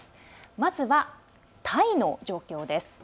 まずはタイの状況です。